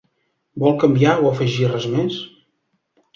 Vol canviar o afegir res més?